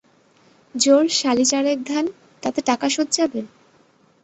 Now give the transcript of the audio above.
জোর শালি চারেক ধান, তাতে টাকা শোধ যাবে?